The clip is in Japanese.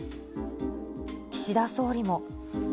岸田総理も。